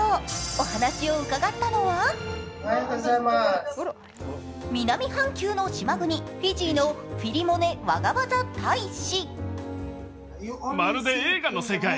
お話を伺ったのは南半球の島国、フィジーのフィリモネ・ワガバザ大使。